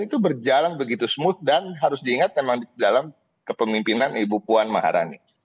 itu berjalan begitu smooth dan harus diingat memang dalam kepemimpinan ibu puan maharani